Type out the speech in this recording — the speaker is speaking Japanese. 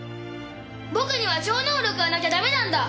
僕には超能力がなきゃダメなんだ！